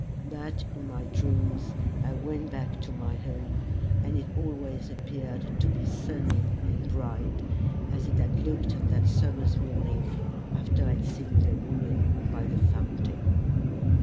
But in my dreams I went back to my home, and it always appeared to me sunny and bright, as it had looked on that summer's morning after I had seen the woman by the fountain.